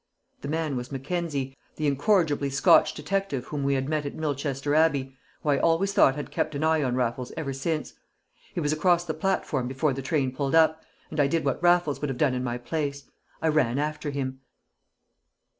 The man was Mackenzie, the incorrigibly Scotch detective whom we had met at Milchester Abbey, who I always thought had kept an eye on Raffles ever since. He was across the platform before the train pulled up, and I did what Raffles would have done in my place. I ran after him.